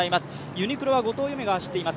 ユニクロは後藤夢が走っています。